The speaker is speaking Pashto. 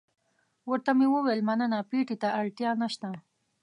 ورته ومې ویل مننه، پېټي ته اړتیا نشته.